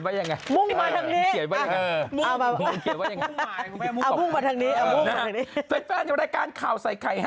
มะมุ่งคุณแม่